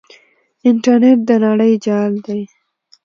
انټرنیټ د نړۍ جال دی.